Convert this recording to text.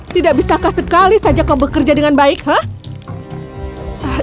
tidak bisakah sekali saja kau bekerja dengan baik hah